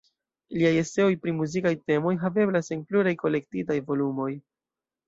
Liaj eseoj pri muzikaj temoj haveblas en pluraj kolektitaj volumoj.